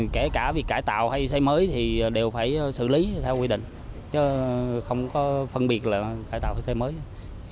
kể cả việc cải tạo hay xây mới thì đều phải xử lý theo quy định chứ không có phân biệt là cải tạo hay xây mới